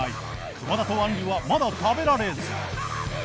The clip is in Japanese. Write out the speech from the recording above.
久間田とあんりはまだ食べられず